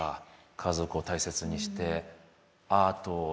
家族を大切にしてアートを楽しんで。